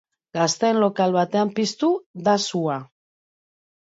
Gazteen lokal batean piztu da sua.